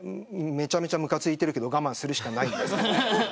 めちゃくちゃムカついているけど我慢するしかないんです。